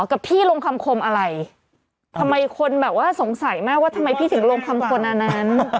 กับพี่ลงคำคมอะไรทำไมคนแบบว่าสงสัยมากว่าทำไมพี่ถึงลงคำคนอันนั้น